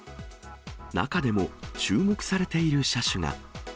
中でも注目されている車種が。